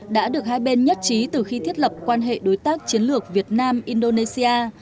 đã được hai bên nhất trí từ khi thiết lập quan hệ đối tác chiến lược việt nam indonesia